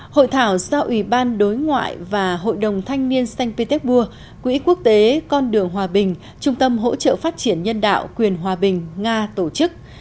hội thảo do ủy ban đối ngoại và hội đồng thanh niên sanh petersburg quỹ quốc tế con đường hòa bình trung tâm hỗ trợ phát triển nhân đạo quyền hòa bình nga tổ chức